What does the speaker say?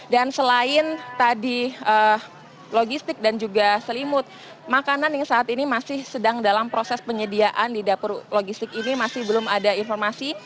dan selain tadi logistik dan juga selimut makanan yang saat ini masih sedang dalam proses penyediaan di dapur logistik ini masih belum ada informasi